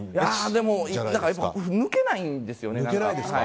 でも、抜けないんですよね。